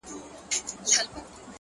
مخ ځيني واړوه ته ـ